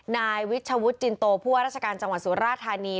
นายวิชวุฒิจินโตผู้ว่าราชการจังหวัดสุราธานี